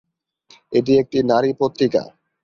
এটি একটি নারী পত্রিকা।